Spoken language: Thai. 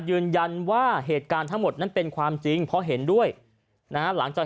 ยืนยันว่าเหตุการณ์ทั้งหมดนั้นเป็นความจริง